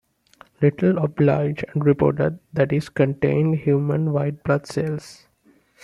Litle obliged, and reported that it contained human white blood cells.